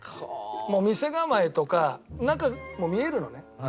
もう店構えとか中も見えるのね。